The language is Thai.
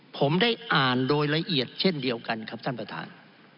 ผมได้อ่านโดยละเอียดเช่นเดียวกันครับท่านประธาน